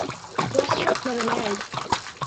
Westropp never married.